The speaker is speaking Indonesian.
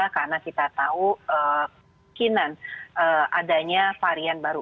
karena kita tahu kemungkinan adanya varian baru